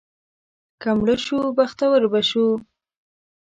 که مړه شو، بختور به شو.